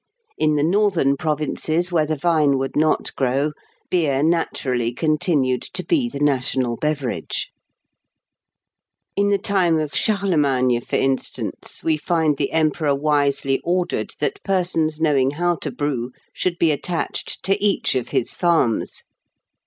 In the northern provinces, where the vine would not grow, beer naturally continued to be the national beverage (Fig. 104). In the time of Charlemagne, for instance, we find the Emperor wisely ordered that persons knowing how to brew should be attached to each of his farms.